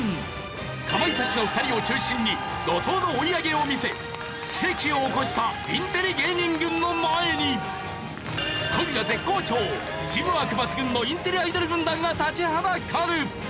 かまいたちの２人を中心に怒濤の追い上げを見せ奇跡を起こしたインテリ芸人軍の前に今夜絶好調チームワーク抜群のインテリアイドル軍団が立ちはだかる！